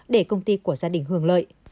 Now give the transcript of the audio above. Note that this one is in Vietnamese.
để công ty của gia đình hưởng lợi